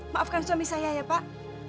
maafkan suami saya ya pak